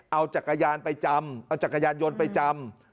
เอาจักรยานไปจำเอาจักรยานยนต์ไปจำ